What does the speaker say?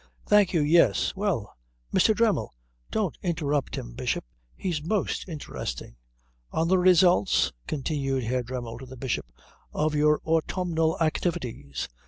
"Thank you, yes. Well, Mr. Dremmel? Don't interrupt him, Bishop, he's most interesting." " on the results," continued Herr Dremmel to the Bishop, "of your autumnal activities.